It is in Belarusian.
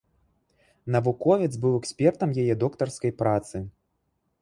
Навуковец быў экспертам яе доктарскай працы.